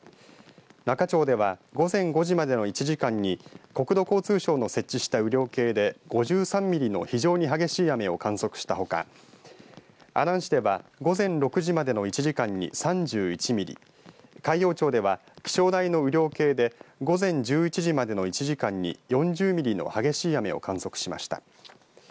那賀町では午前５時までの１時間に国土交通省の設置した雨量計で５３ミリの非常に激しい雨を観測したほか阿南市では、午前６時までの１時間に３１ミリ海陽町では気象台の雨量計で午前１１時までの１時間に４０ミリの激しい雨を観測しました。